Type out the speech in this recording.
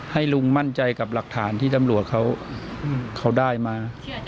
ให้ลุงมั่นใจกับหลักฐานที่ตำรวจเขาได้มา